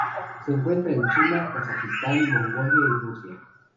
Se encuentra en China, Kazajistán, Mongolia y Rusia.